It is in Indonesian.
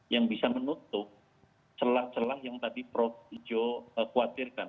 yang bisa menutup celah celah yang tadi prof ijo khawatirkan